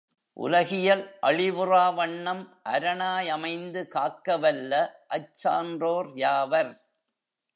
உலகியல் அழிவுறாவண்ணம், அரணாய் அமைந்து காக்கவல்ல அச்சான்றோர் யாவர்?